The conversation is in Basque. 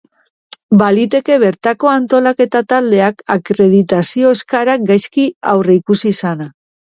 Baliteke bertako antolaketa taldeak akreditazio eskaerak gaizki aurreikusi izana.